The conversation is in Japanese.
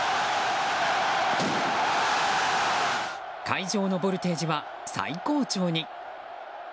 会場のボルテージは最高潮に。